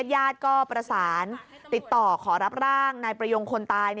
ญาติก็ประสานติดต่อขอรับร่างนายประยงคนตาย